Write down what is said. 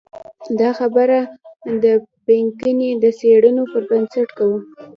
دا خبره د پینکني د څېړنو پر بنسټ کوو.